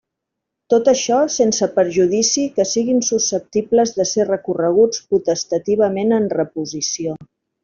Tot això, sense perjudici que siguen susceptibles de ser recorreguts potestativament en reposició.